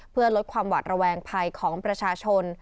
เพื่อลดความหวัดระแวงภัยของประชาชน